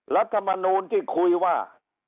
รัฐมนูลที่คุยว่า